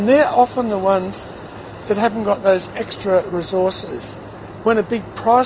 dan mereka terbiasa orang yang belum memiliki sumber yang lebih besar